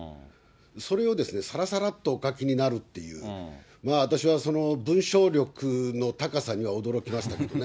それをですね、さらさらっとお書きになるっていう、私はその文章力の高さには驚きましたけどね。